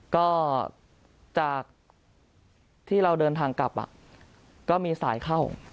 ก็จากที่เราเดินทางกลับก็มีสายเข้า